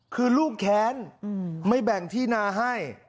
คือลูกแค้นไม่แบ่งที่นาให้